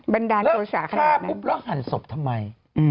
บรรดาโตฉาขนาดนั้นแล้วฆ่าปุ๊บแล้วหันศพทำไม